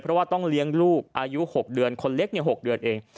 เพราะว่าต้องเลี้ยงลูกอายุ๖เดือนคนเล็ก๖เดือนเอง